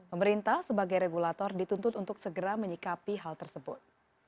pemerintah sebagai regulator dituntut untuk segera menyikapi hal tersebut